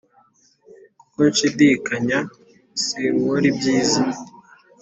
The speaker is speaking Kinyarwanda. Kuko nshidikanya sinkor' ibyiza.